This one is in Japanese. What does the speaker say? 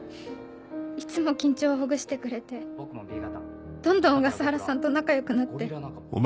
いつも緊張をほぐしてくれてどんどん小笠原さんと仲良くなって。